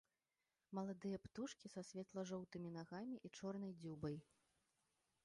Маладыя птушкі са светла-жоўтымі нагамі і чорнай дзюбай.